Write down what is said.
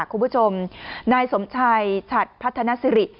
คุณผู้ชมนายสมชัยฉัดพัฒนสิริ